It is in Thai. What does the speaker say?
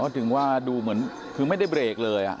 ถึงว่าดูเหมือนคือไม่ได้เบรกเลย